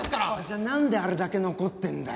じゃあなんであれだけ残ってんだよ？